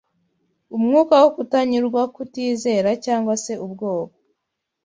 umwuka wo kutanyurwa, kutizera, cyangwa se ubwoba